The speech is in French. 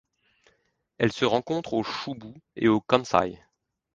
Elle se rencontre au Chūbu et au Kansai.